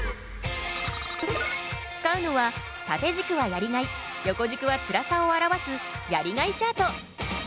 使うのは縦軸はやりがい横軸はつらさを表すやりがいチャート。